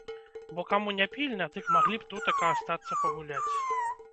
Бо каму не пільна, дык маглі б тутака астацца пагуляць.